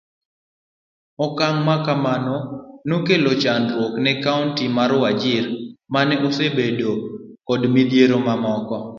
Okang' makamano nokelo chandruok ne Kaunti mar Wajir mane osebedo kod midhiero mamoko.